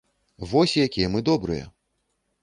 Вось якія мы добрыя!